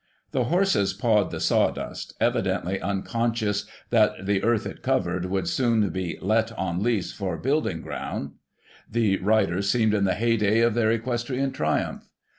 The horses pawed the sawdust, evidently unconscious that the earth it covered would soon be ' let on lease for building ground '; the riders seemed in the hey day of their equestrian triumph.